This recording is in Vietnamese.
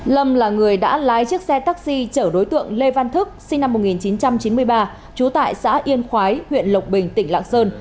lâm là người đã lái chiếc xe taxi chở đối tượng lê văn thức sinh năm một nghìn chín trăm chín mươi ba trú tại xã yên khói huyện lộc bình tỉnh lạng sơn